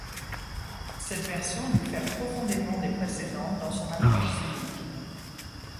Cette version diffère profondément des précédentes dans son approche scénique.